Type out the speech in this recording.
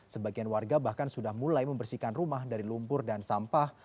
sebagian warga bahkan sudah mulai membersihkan rumah dari lumpur dan sampah